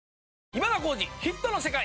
『今田耕司★ヒットの世界』。